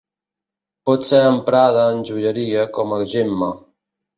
Pot ser emprada en joieria com a gemma.